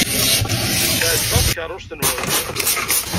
Teɛjeb-aɣ tkeṛṛust-nwent.